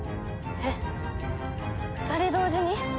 えっ２人同時に？